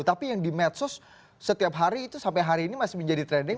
tapi yang di medsos setiap hari itu sampai hari ini masih menjadi trending